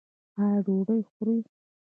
ایا ډوډۍ خورئ؟